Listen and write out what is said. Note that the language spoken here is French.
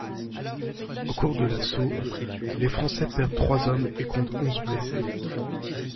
Au cours de l'assaut les Français perdent trois hommes et comptent onze blessés.